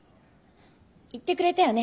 言ってくれたよね。